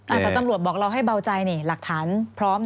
แต่ตำรวจบอกเราให้เบาใจนี่หลักฐานพร้อม